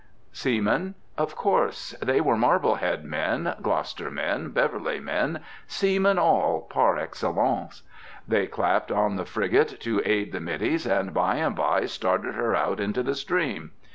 Seamen? Of course! They were Marblehead men, Gloucester men, Beverly men, seamen all, par excellence! They clapped on the frigate to aid the middies, and by and by started her out into the stream.